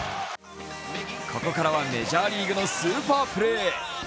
ここからは、メジャーリーグのスーパープレー。